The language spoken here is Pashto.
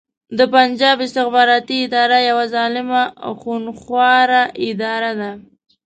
د پنجاب استخباراتې اداره يوه ظالمه خونښواره اداره ده